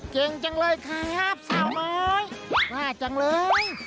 เก่งจังเลยครับสาวน้อยน่าจังเลย